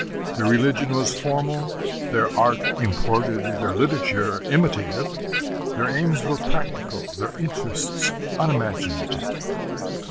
Their religion was formal, their art imported, their literature imitative, their aims were practical, their interests unimaginative.